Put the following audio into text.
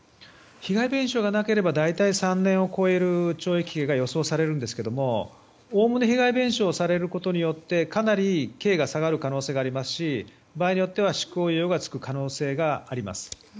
被害弁償がなければ大体３年を超える懲役刑が予想されるんですが、おおむね被害弁償されることによってかなり刑が下がる可能性があります場合によっては執行猶予が付く可能性があります。